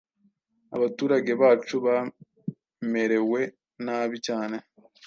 "Abaturage bacu bamerewe nabi cyane,